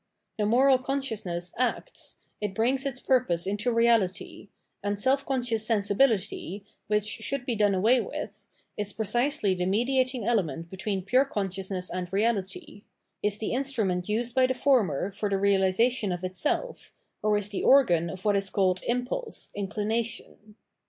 The moral consciousness acts, it brings its purpose into reality ; and self conscious sensibility, which should be done away with, is precisely the mediating element between pure con sciousness and reality — is the instrument used by the former for the realisation of itself, or is the organ of what is called impulse, inclination.